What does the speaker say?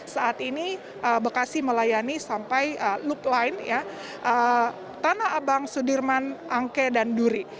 saat ini bekasi melayani sampai loop line tanah abang sudirman angke dan duri